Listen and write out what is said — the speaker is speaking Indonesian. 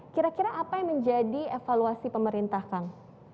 kira kira apa yang menjadi evaluasi pemerintah kang